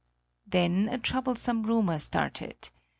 Then a troublesome rumor started.